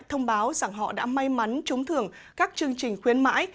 thông báo rằng họ đã may mắn trúng thường các chương trình khuyến mãi